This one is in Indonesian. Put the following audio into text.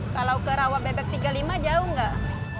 kalau ke rawabebek tiga puluh lima jauh nggak